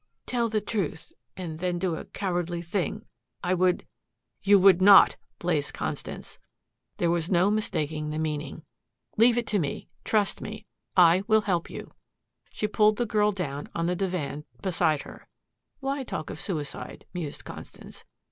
"Tell the truth and then do a cowardly thing. I would " "You would not!" blazed Constance. There was no mistaking the meaning. "Leave it to me. Trust me. I will help you." She pulled the girl down on the divan beside her. "Why talk of suicide?" mused Constance.